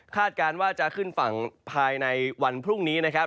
การว่าจะขึ้นฝั่งภายในวันพรุ่งนี้นะครับ